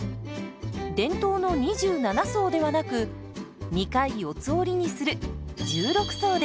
伝統の２７層ではなく２回四つ折りにする１６層です。